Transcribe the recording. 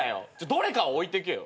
どれかは置いてけよ。